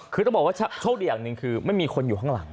คือต้องบอกว่าโชคดีอย่างหนึ่งคือไม่มีคนอยู่ข้างหลัง